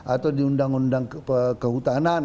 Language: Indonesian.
atau di undang undang kehutanan